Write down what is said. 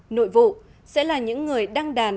nội vụ sẽ là những người đăng đàn